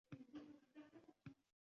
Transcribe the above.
Shuning uchun onam ertalab supurmasdi.